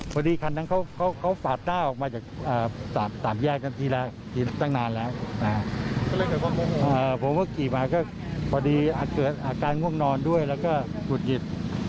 พี่แล้วทำไมเราถึงชอบใส่ชุดตำรวจทหารเดินไปเดินมาครับพี่